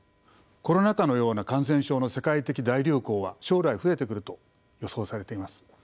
コロナ禍のような感染症の世界的大流行は将来増えてくると予想されています。